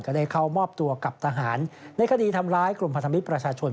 ได้เข้ามอบตัวกับทหารในคดีทำร้ายกลุ่มพันธมิตรประชาชน